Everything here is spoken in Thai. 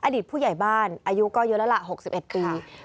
อดีตผู้ใหญ่บ้านอายุก็เยอะแล้วล่ะหกสิบเอ็ดปีค่ะ